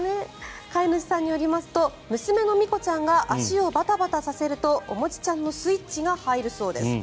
飼い主さんによりますと娘の心虹ちゃんが足をバタバタさせるとおもちちゃんのスイッチが入るそうです。